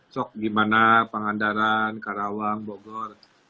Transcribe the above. sok gimana pangandaran karawang bogor